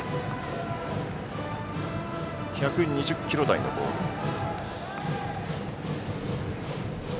１２０キロ台のボール。